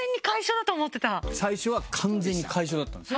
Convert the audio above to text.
最初は完全に楷書だったんです。